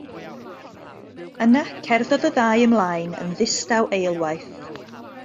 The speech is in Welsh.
Yna cerddodd y ddau ymlaen yn ddistaw eilwaith.